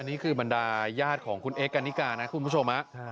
นี่คือบรรดาญาติของคุณเอ๊กกันนิกานะคุณผู้ชม